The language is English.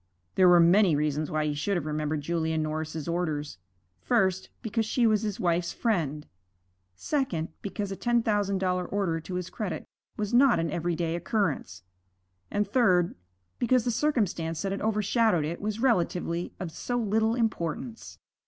There were many reasons why he should have remembered Julia Norris's orders. First, because she was his wife's friend; second, because a ten thousand dollar order to his credit was not an everyday occurrence; and third, because the circumstance that had overshadowed it was relatively of so little importance.